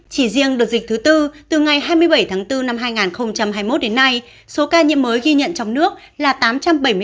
chỉ riêng đợt dịch thứ tư từ ngày hai mươi bảy tháng bốn năm hai nghìn hai mươi một đến nay số ca nhiễm mới ghi nhận trong nước là tám chín trăm năm mươi một ca nhiễm